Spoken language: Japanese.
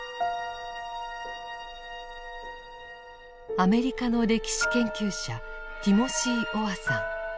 アメリカの歴史研究者ティモシー・オアさん。